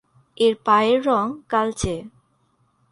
এর পায়ের রঙ কালচে।